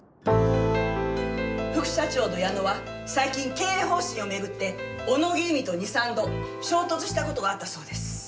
副社長の矢野は最近経営方針を巡って小野木由美と２３度衝突した事があったそうです。